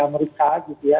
di amerika gitu ya